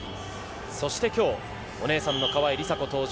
そして今日、お姉さんの川井梨紗子登場。